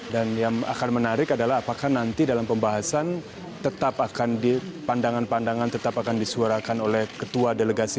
dan yang akan menarik adalah apakah nanti dalam pembahasan tetap akan dipandangan pandangan tetap akan disuarakan oleh ketua delegasi